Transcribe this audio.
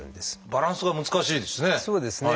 バランスが難しいですね。